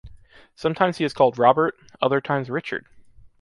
Sometimes he is called Robert, other times Richard.